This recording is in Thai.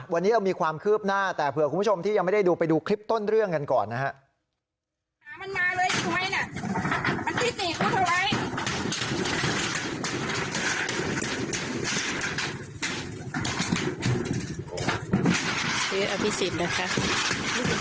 วันนี้เรามีความคืบหน้าแต่เผื่อคุณผู้ชมที่ยังไม่ได้ดูไปดูคลิปต้นเรื่องกันก่อนนะครับ